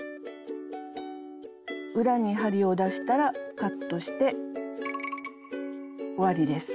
裏に針を出したらカットして終わりです。